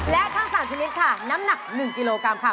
และทั้ง๓ชนิดค่ะน้ำหนัก๑กิโลกรัมค่ะ